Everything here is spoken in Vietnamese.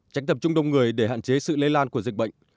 tránh tập trung đông người để hạn chế sự lây lan của dịch bệnh